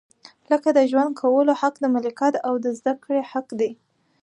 لکه د ژوند کولو حق، د ملکیت او زده کړې حق دی.